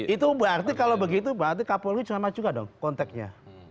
itu berarti kalau begitu berarti kapolri cuma maju maju dong konteknya